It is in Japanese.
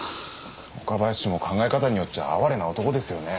岡林も考え方によっちゃ哀れな男ですよね